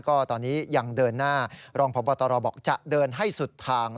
ก็ตอนนี้ยังเดินหน้ารองพบตรบอกจะเดินให้สุดทาง